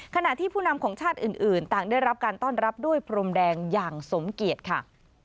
ขณะที่ผู้นำของชาติอื่นต่างได้รับการต้อนรับด้วยพรมแดงอย่างสมเกียจค่ะ